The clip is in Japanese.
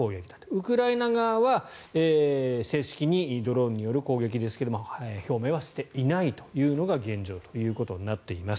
ウクライナ側は正式にドローンによる攻撃ですけども表明はしていないというのが現状となっています。